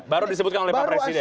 baru disebutkan oleh pak presiden